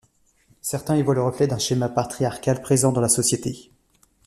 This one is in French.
Certains y voient le reflet d'un schéma patriarcal présent dans la société.